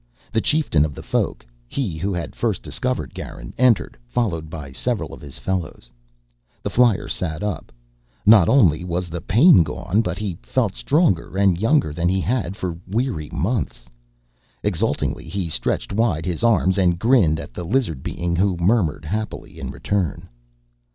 The chieftain of the Folk, he who had first discovered Garin, entered, followed by several of his fellows. The flyer sat up. Not only was the pain gone but he felt stronger and younger than he had for weary months. Exultingly, he stretched wide his arms and grinned at the lizard being who murmured happily in return.